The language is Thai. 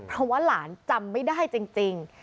เพราะว่าหลานจำไม่ได้จริง